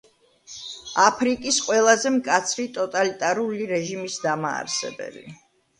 აფრიკის ყველაზე მკაცრი ტოტალიტარული რეჟიმის დამაარსებელი.